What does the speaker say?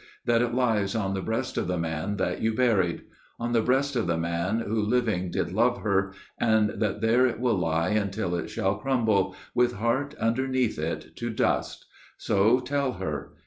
That it lies on the breast of the man that you buried; On the breast of the man who living did love her, And that there it will lie until it shall crumble, With heart underneath it, to dust. So tell her.